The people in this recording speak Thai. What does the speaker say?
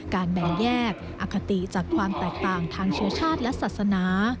แบ่งแยกอคติจากความแตกต่างทางเชื้อชาติและศาสนา